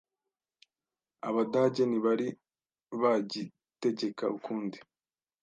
Abadage ntibari bagitegeka ukundi.